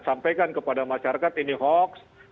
sampaikan kepada masyarakat ini hoax